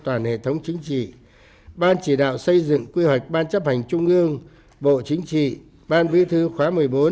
toàn hệ thống chính trị ban chỉ đạo xây dựng quy hoạch ban chấp hành trung ương bộ chính trị ban bí thư khóa một mươi bốn